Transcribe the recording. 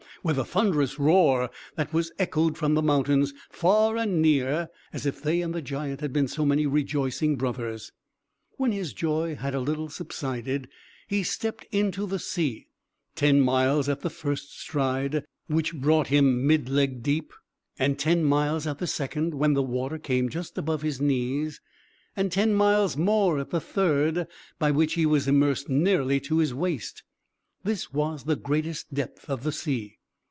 ho! with a thunderous roar that was echoed from the mountains, far and near, as if they and the giant had been so many rejoicing brothers. When his joy had a little subsided, he stepped into the sea; ten miles at the first stride, which brought him midleg deep; and ten miles at the second, when the water came just above his knees; and ten miles more at the third, by which he was immersed nearly to his waist. This was the greatest depth of the sea.